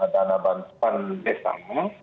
dana bantuan datang